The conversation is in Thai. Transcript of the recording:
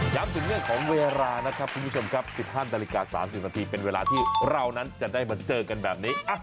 ถึงเรื่องของเวลานะครับคุณผู้ชมครับ๑๕นาฬิกา๓๐นาทีเป็นเวลาที่เรานั้นจะได้มาเจอกันแบบนี้